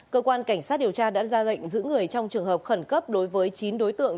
cơ quan cảnh sát điều tra đã ra lệnh giữ người trong trường hợp khẩn cấp đối với chín đối tượng